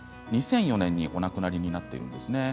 ２００４年にお亡くなりになっています。